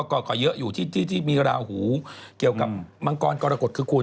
ก็เยอะอยู่ที่มีราหูเกี่ยวกับมังกรกรกฎคือคุณ